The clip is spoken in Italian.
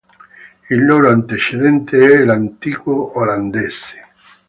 Il loro antecedente è l'antico olandese.